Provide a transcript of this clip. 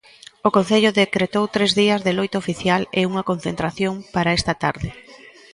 O Concello decretou tres días de loito oficial e unha concentración para esta tarde.